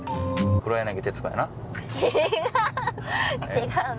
違う！